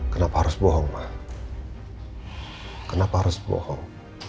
kenapa harus bohong pak kenapa harus bohong